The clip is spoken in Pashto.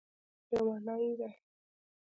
لیوني دی